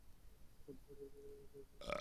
হতে পারে, এই জীবনের অধ্যায়ে তুমি থাকতে পার।